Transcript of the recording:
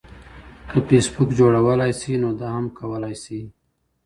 که فیسبوک جوړولی شئ نو دا هم کولی شئ